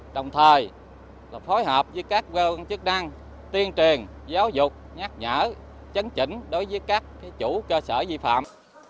đồng thời phối hợp với các chức năng tiên truyền giáo dục nhắc nhở chấn chỉnh đối với các chủ cơ sở di phạm